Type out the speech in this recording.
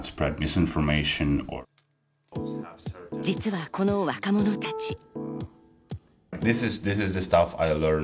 実はこの若者たち。